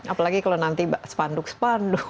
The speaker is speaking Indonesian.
apalagi kalau nanti spanduk spanduk